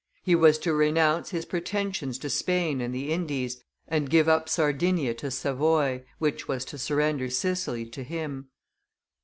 He was to renounce his pretensions to Spain and the Indies, and give up Sardinia to Savoy, which was to surrender Sicily to him.